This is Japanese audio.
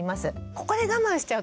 ここで我慢しちゃうとですね